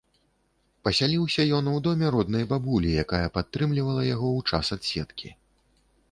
Пасяліўся ён у доме роднай бабулі, якая падтрымлівала яго ў час адседкі.